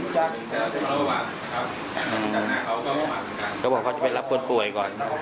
เขาก็บอกเขาจะไปรับคนป่วยก่อน